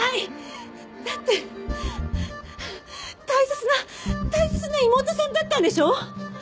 だって大切な大切な妹さんだったんでしょ？